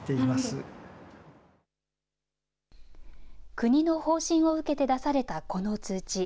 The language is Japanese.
国の方針を受けて出されたこの通知。